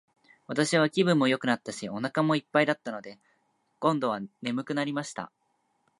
私は気分もよくなったし、お腹も一ぱいだったので、今度は睡くなりました。